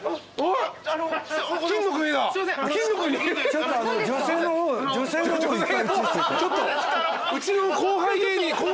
ちょっとうちの後輩芸人です。